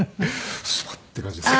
スパッていう感じですね。